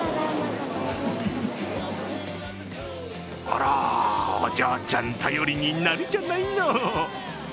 あらー、お嬢ちゃん、頼りになるじゃないの。